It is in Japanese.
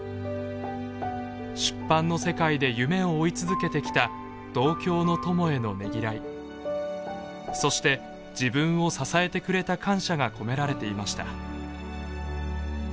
出版の世界で夢を追い続けてきた同郷の友へのねぎらいそして自分を支えてくれた感謝が込められていました。